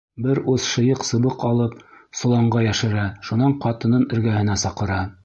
— Бер ус шыйыҡ сыбыҡ алып, соланға йәшерә, шунан ҡатынын эргәһенә саҡыра.